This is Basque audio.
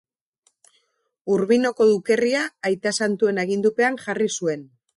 Urbinoko dukerria Aita Santuen agindupean jarri zuen.